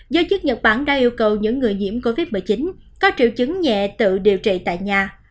giới chức nhật bản đã yêu cầu những người nhiễm covid một mươi chín có triệu chứng nhẹ tự điều trị tại nhà